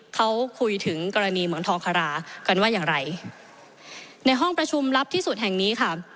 เขาคุยถึงกรณีเหมือนทอคารากันว่าอย่างไรในห้องประชุมลับที่สุดแห่งนี้ค่ะ